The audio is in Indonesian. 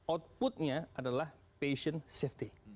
outputnya adalah patient safety